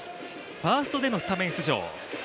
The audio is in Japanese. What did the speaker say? ファーストでのスタメン出場。